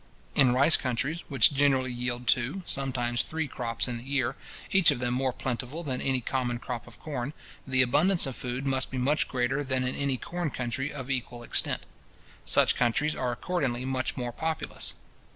In rice countries, which generally yield two, sometimes three crops in the year, each of them more plentiful than any common crop of corn, the abundance of food must be much greater than in any corn country of equal extent. Such countries are accordingly much more populous.